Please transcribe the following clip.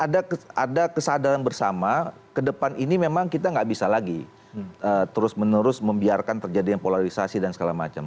artinya ada kesadaran bersama kedepan ini memang kita gak bisa lagi terus menerus membiarkan terjadi polarisasi dan segala macam